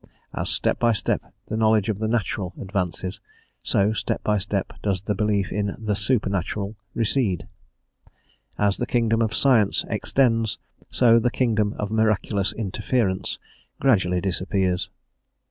As step by step the knowledge of the natural advances, so step by step does the belief in the supernatural recede; as the kingdom of science extends, so the kingdom of miraculous interference gradually disappears.